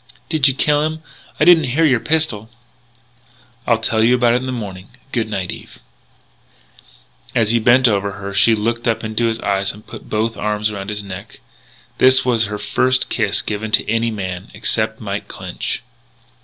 "Did you kill him? I didn't hear your pistol." "I'll tell you all about it in the morning. Good night, Eve." As he bent over her, she looked up into his eyes and put both arms around his neck. It was her first kiss given to any man, except Mike Clinch.